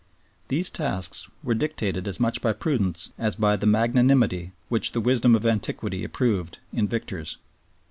These tasks were dictated as much by prudence as by the magnanimity which the wisdom of antiquity approved in victors.